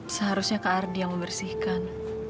seharusnya kak ardi yang membersihkan